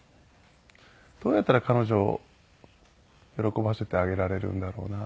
どうやったら彼女を喜ばせてあげられるんだろうな。